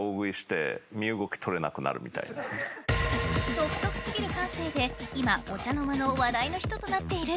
独特すぎる感性で今お茶の間の話題の人となっている。